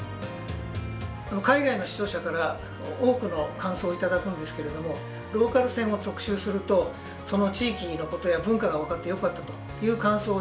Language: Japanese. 海外の視聴者から多くの感想を頂くんですけれどもローカル線を特集するとその地域のことや文化が分かってよかったという感想をよく頂きます。